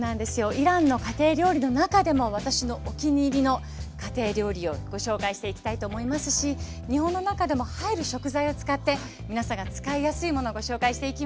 イランの家庭料理の中でも私のお気に入りの家庭料理をご紹介していきたいと思いますし日本の中でも入る食材を使って皆さんが使いやすいものご紹介していきます。